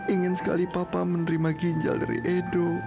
ingin sekali papa menerima ginjal dari edo